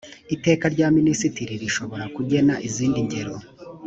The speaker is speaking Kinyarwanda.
iteka rya minisitiri rishobora kugena izindi ngero